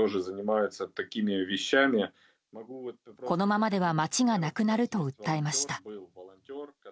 このままでは街がなくなると訴えました。